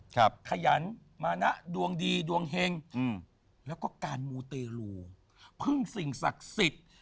ขยันมานะดวงดีดวงเฮงอืมแล้วก็การมูเตรลูพึ่งสิ่งศักดิ์สิทธิ์